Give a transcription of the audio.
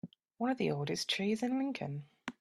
One of the oldest trees in Lincoln.